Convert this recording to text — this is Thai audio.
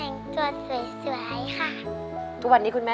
แล้วน้องใบบัวร้องได้หรือว่าร้องผิดครับ